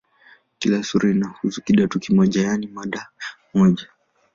Kila sura inahusu "kidato" kimoja, yaani mada moja.